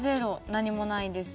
何もないです。